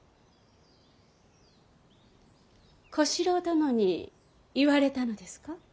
小四郎殿に言われたのですか。